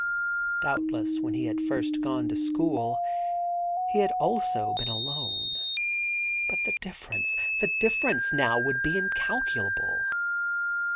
Doubt 91 THE GARDEN GOD less when he had first gone to school he had also been alone — but the difference, the difference now would be incalculable.